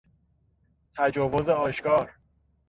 تجاوز آشکار